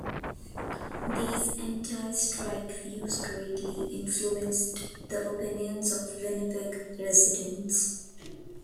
These anti-strike views greatly influenced the opinions of Winnipeg residents.